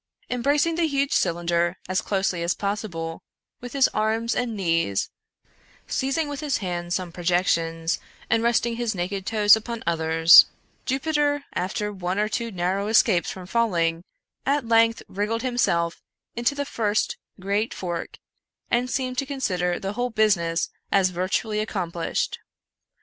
Embracing the huge cylinder, as closely as possible, with his arms and knees, seizing with his hands some projec tions, and resting his naked toes upon others, Jupiter, after one or two narrow escapes from falling, at length wriggled himself into the first great fork, and seemed to consider the whole business as virtually accomplished.